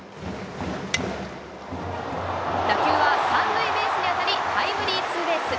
打球は３塁ベースに当たり、タイムリーツーベース。